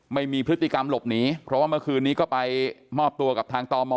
ไม่มีพฤติกรรมหลบหนีเพราะว่าเมื่อคืนนี้ก็ไปมอบตัวกับทางตม